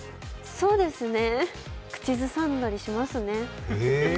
そうですね、口ずさんだりしますね。